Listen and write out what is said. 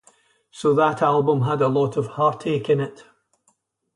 So that album had a lot of heartache in it.